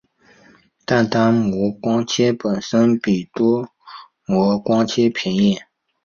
但单模光纤本身比多模光纤便宜。